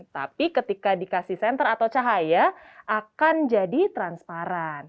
tapi ketika dikasih senter atau cahaya akan jadi transparan